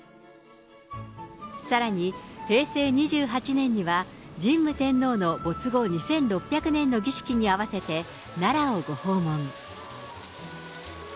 さらに平成２８年には、神武天皇の没後２６００年の儀式に合わせて、奈良をご訪問。